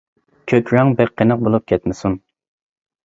كۆك رەڭ بەك قېنىق بولۇپ كەتمىسۇن.